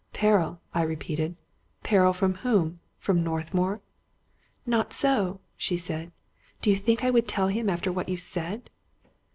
" Peril !" I repeated. " Peril from whom? From North mour? "" Not so/' she said. " Did you think I would tell him after what you said?"